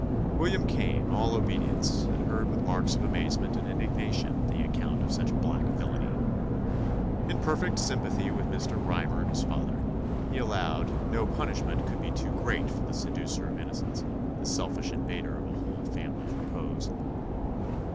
William came, all obedience, and heard with marks of amazement and indignation the account of such black villainy! In perfect sympathy with Mr. Rymer and his father, he allowed "no punishment could be too great for the seducer of innocence, the selfish invader of a whole family's repose."